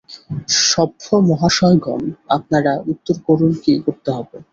সভ্যমহাশয়গণ, আপনারা উত্তর করুন কী করতে হবে?